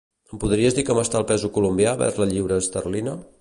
Em podries dir com està el peso colombià vers la lliura esterlina?